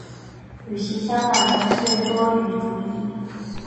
与其相反的是多语主义。